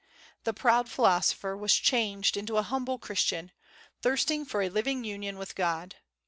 The proud philosopher was changed into a humble Christian, thirsting for a living union with God.